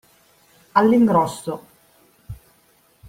All'ingrosso.